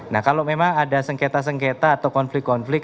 nah kalau memang ada sengketa sengketa atau konflik konflik